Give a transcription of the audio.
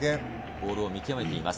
ボールを見極めています。